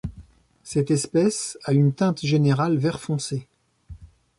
Cette espèce a une teinte générale vert foncé.